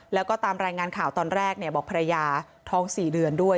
แล้วก็ตามรายงานข่าวตอนแรกบอกภรรยาท้อง๔เดือนด้วย